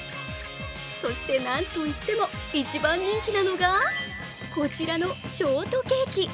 そして、なんといっても一番人気なのが、こちらのショートケーキ。